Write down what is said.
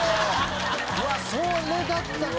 うわっそれだったか。